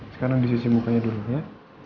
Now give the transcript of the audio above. sekarang di sisi mukanya dulu ya